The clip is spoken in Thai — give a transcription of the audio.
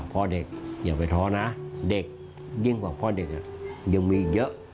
พ่อเด็กอย่าไปท้อนะเด็กยิ่งกว่าพ่อเด็กยังมีอีกเยอะ